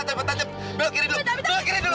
cepat cepat tancep belok kiri dulu belok kiri dulu